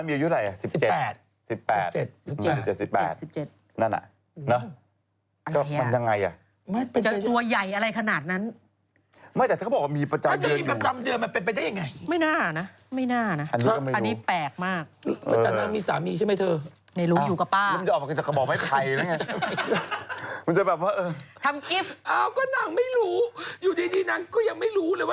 เพราะเคยมีลูกชายเป็นลูกอายุ๔ควบ